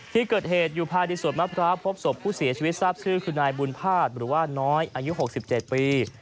ที่เกิดเหตุอยู่ภายในสวดมะพร้าวพบศพผู้เสียชีวิตทราบชื่อคือนายบุญภาษณ์หรือว่าน้อยอายุ๖๗ปี